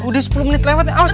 udah sepuluh menit lewat ya awas